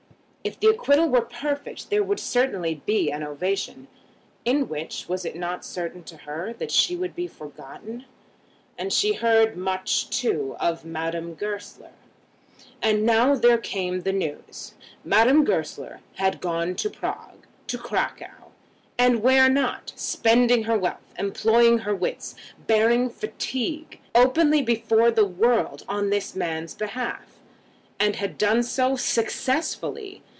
If the acquittal were perfect, there would certainly be an ovation, in which, was it not certain to her, that she would be forgotten? And she heard much, too, of Madame Goesler. And now there came the news. Madame Goesler had gone to Prague, to Cracow, and where not? spending her wealth, employing her wits, bearing fatigue, openly before the world on this man's behalf; and had done so successfully.